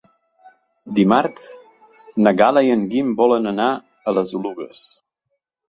Dimarts na Gal·la i en Guim volen anar a les Oluges.